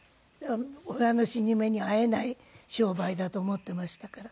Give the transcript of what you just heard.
親の死に目に会えない商売だと思ってましたから。